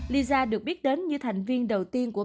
lisa được biết đến như thành viên đầu tiên của thương hiệu này